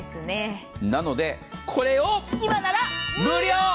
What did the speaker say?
なので、これを今なら無料！